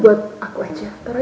buat aku aja